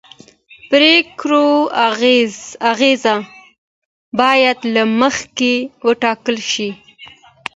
د پرېکړو اغېز باید له مخکې وکتل شي